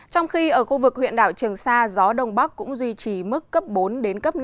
trong khi ở khu vực huyện đảo trường sa gió đông bắc cũng duy trì mức cấp bốn năm